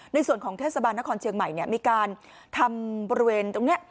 ในส่วนของเทศบาลนครเชียงใหม่มีการทำบริเวณตรงนี้